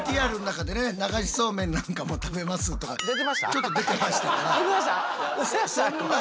ちょっと出てましたから。